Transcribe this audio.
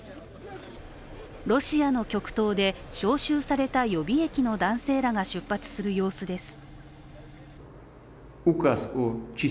ロシアの極東で招集された予備役の男性たちが出発する様子です。